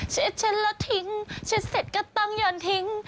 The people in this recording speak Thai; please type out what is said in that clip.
เช็ดเช็ดแล้วทิ้งเช็ดเสร็จก็ต้องโยนทิ้ง